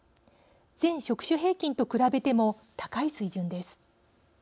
全職種平均と比べても高い水準です。